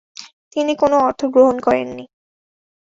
তিনি কোন অর্থ গ্রহণ করেননি।